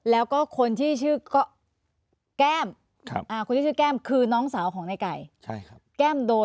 แล้วคนที่ชื่อกแก้มคืนน้องสาวในไก่